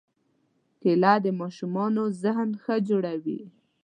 کېله د ماشومانو ذهن ښه جوړوي.